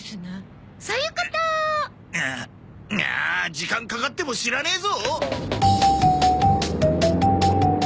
時間かかっても知らねえぞ！